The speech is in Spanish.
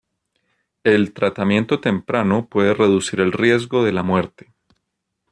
El tratamiento temprano puede reducir el riesgo de la muerte.